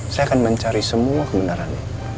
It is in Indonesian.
saya akan mencari semua kebenarannya